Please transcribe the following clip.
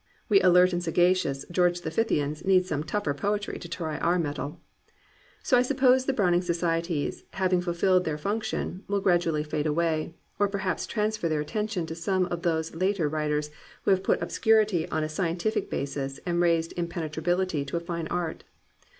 We alert and sa gacious George the Fifthians need some tougher poetry to try our mettle. So I suppose the Brown ing Societies, having fulfilled their function, will gradually fade away, — or perhaps transfer their attention to some of those later writers who have put obscurity on a scientific basis and raised im penetrability to a fine art.